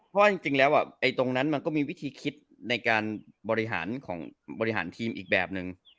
เพราะว่าจริงแล้วตรงนั้นมันก็มีวิธีคิดในการบริหารของบริหารทีมอีกแบบนึง